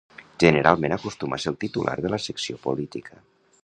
Generalment acostuma a ser el titular de la secció política.